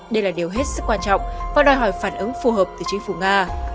đây là điều hết sức quan trọng và đòi hỏi phản ứng phù hợp từ chính phủ nga